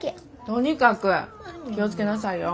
とにかく気を付けなさいよ。